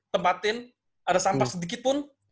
tempatin ada sampah sedikit pun